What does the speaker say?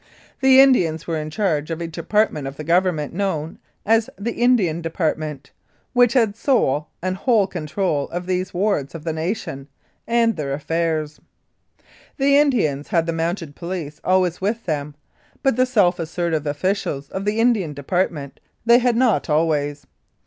The Indians were in charge of a department of the Government known as "the Indian Department," which had sole and whole control of these wards of the nation and their affairs. The Indians had the Mounted Police always with them, but the self assertive officials of the Indian Department they had not always.